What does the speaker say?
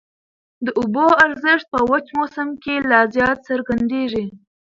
د اوبو ارزښت په وچ موسم کي لا زیات څرګندېږي.